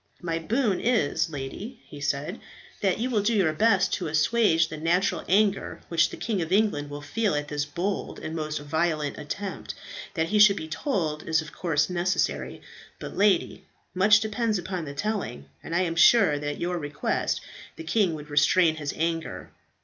"My boon is, lady," he said, "that you will do your best to assuage the natural anger which the King of England will feel at this bold and most violent attempt. That he should be told, is of course necessary; but, lady, much depends upon the telling, and I am sure that at your request the king would restrain his anger.